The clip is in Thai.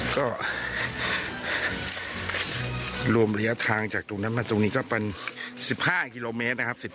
ก็รวมระยะทางจากตรงนั้นมาตรงนี้ก็เป็น๑๕กิโลเมตรนะครับ